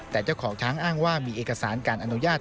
แต่เจ้าของช้างอ้างว่ามีเอกสารการอนุญาต